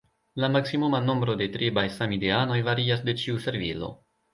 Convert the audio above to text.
La maksimuma nombro de tribaj samideanoj varias de ĉiu servilo.